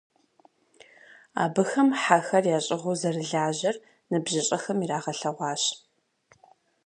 Абыхэм хьэхэр ящӀыгъуу зэрылажьэр ныбжьыщӀэхэм ирагъэлъэгъуащ.